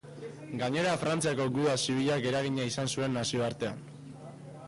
Gainera, Frantziako guda zibilak eragina izan zuen nazioartean.